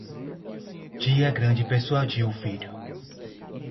Tia grande persuadiu o filho